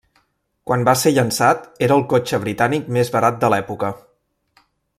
Quan va ser llançat, era el cotxe britànic més barat de l'època.